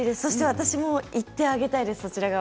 私も行ってあげたいです。